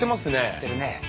売ってるね。